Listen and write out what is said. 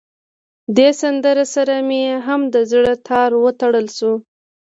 دې سندره سره مې هم د زړه تار وتړل شو.